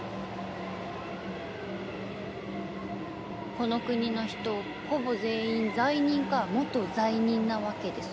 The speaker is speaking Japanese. この国の人ほぼ全員罪人か元罪人なわけですよ。